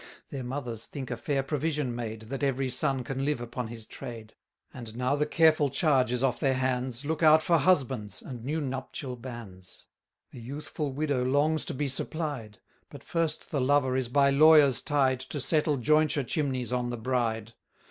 Their mothers think a fair provision made, That every son can live upon his trade: And, now the careful charge is off their hands, Look out for husbands, and new nuptial bands: The youthful widow longs to be supplied; But first the lover is by lawyers tied To settle jointure chimneys on the bride.